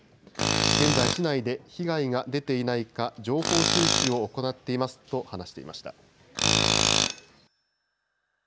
現在、市内で被害が出ていないか情報収集を行っていますと話していました。